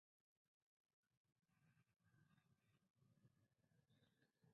This ended the rule of the great Hoysalas.